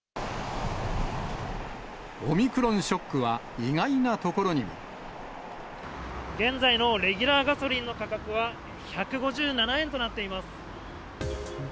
オミクロンショックは、現在のレギュラーガソリンの価格は、１５７円となっています。